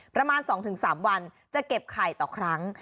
ประมาณ๒๓วันจะเก็บไข่ต่อครั้ง